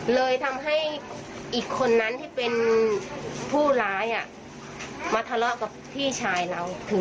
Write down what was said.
เลยทำให้อีกคนนั้นที่เป็นผู้ร้ายมาทะเลาะกับพี่ชายเรา